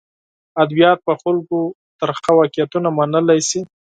ادبیات په خلکو ترخه واقعیتونه منلی شي.